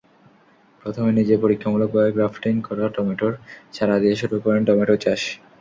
প্রথমে নিজে পরীক্ষামূলকভাবে গ্রাফটিং করা টমেটোর চারা দিয়ে শুরু করেন টমেটো চাষ।